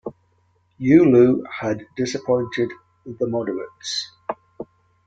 Youlou had disappointed the "moderates".